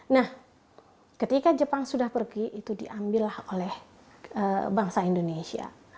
nah ketika jepang sudah pergi itu diambillah oleh bangsa indonesia